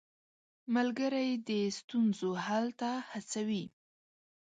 ملګری د ستونزو حل ته هڅوي.